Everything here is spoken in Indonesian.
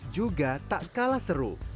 juga tak kalah seru